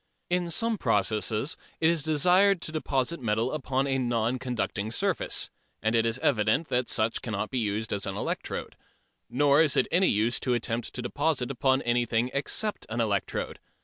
In some processes it is desired to deposit metal upon a non conducting surface, and it is evident that such cannot be used as an electrode. Nor is it any use to attempt to deposit upon anything except an electrode.